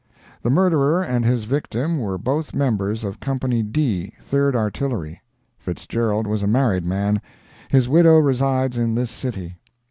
The murderer and his victim were both members of Company D, Third Artillery. Fitzgerald was a married man; his widow resides in this city.